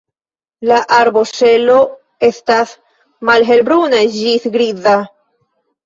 La arboŝelo estas malhelbruna ĝis griza.